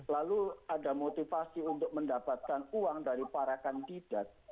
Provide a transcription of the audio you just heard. lalu ada motivasi untuk mendapatkan uang dari para kandidat